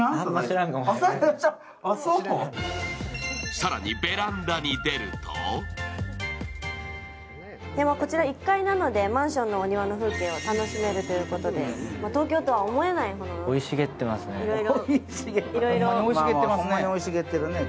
更にベランダに出ると今、こちら１階なのでマンションのお庭の風景を楽しめるということで東京とは思えないほどいろいろ生い茂ってますね。